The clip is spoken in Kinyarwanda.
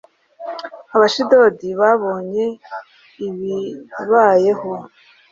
abashidodi babonye ibibabayeho